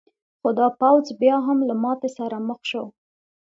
خو دا پوځ بیا هم له ماتې سره مخ شو.